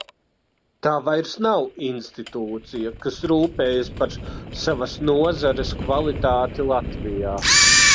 Tā vairs nav institūcija, kas rūpējas par savas nozares kvalitāti Latvijā.